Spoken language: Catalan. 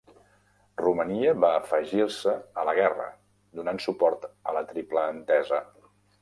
Romania va afegir-se a la guerra, donant suport a la Triple Entesa.